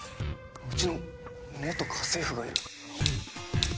うちの元家政婦がいる。